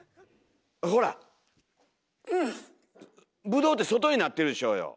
ぶどうって外になってるでしょうよ。